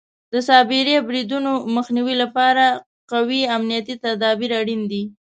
د سایبري بریدونو مخنیوي لپاره قوي امنیتي تدابیر اړین دي.